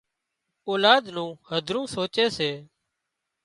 اولاد نُون هڌرون سوچي سي